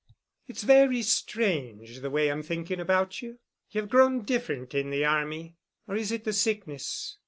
"It's very strange, the way I'm thinking about you. You've grown different in the army—or is it the sickness?